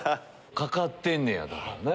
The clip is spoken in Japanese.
かかってんねやだからね。